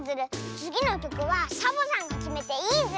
つぎのきょくはサボさんがきめていいズル。